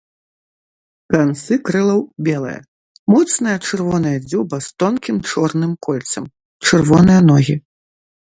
Канцы крылаў белыя, моцная чырвоная дзюба з тонкім чорным кольцам, чырвоныя ногі.